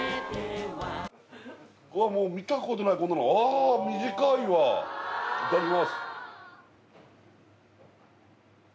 うわっ見たことないこんなのああ短いわいただきます